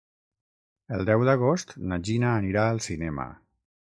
El deu d'agost na Gina anirà al cinema.